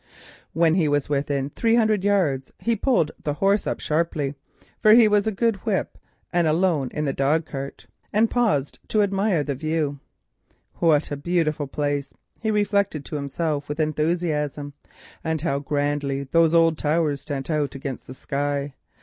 When he was within three hundred yards an idea struck him; he pulled the horse up sharply, for he was alone in the dogcart, and paused to admire the view. "What a beautiful place!" he reflected to himself with enthusiasm, "and how grandly those old towers stand out against the sky.